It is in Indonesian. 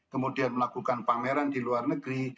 kemudian melakukan pameran di luar negeri